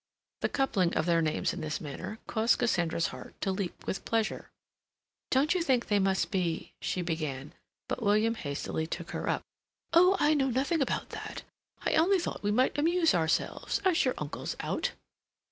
The coupling of their names in this manner caused Cassandra's heart to leap with pleasure. "Don't you think they must be—?" she began, but William hastily took her up. "Oh, I know nothing about that. I only thought we might amuse ourselves, as your uncle's out."